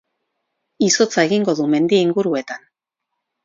Izotza egingo du mendi inguruetan.